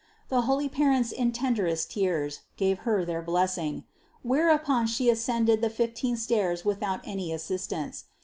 The holy parents in tenderest tears gave Her their blessing; whereupon She ascended the fifteen stairs without any assistance.